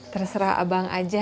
terserah abang aja